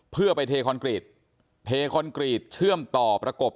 เพื่อไปเทคอนกรีตเทคอนกรีตเชื่อมต่อประกบ